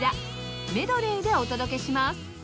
メドレーでお届けします